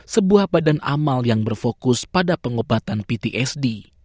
sebuah badan amal yang berfokus pada pengobatan ptsd